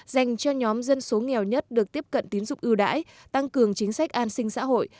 dành cho nhóm dân số nghèo nhất được tiếp cận tín dụng ưu đãi tăng cường chính sách an sinh xã hội